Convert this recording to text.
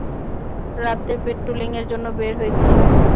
রাতের পেট্রোলিং এর জন্য বের হয়েছি।